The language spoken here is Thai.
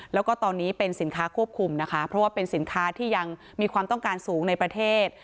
แล้วก็ตอนนี้เป็นสินค้าควบคุมนะคะเพราะว่าเป็นสินค้าที่ยังมีความต้องการสูงในประเทศ